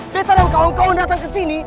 betta dan kawan kawan datang kesini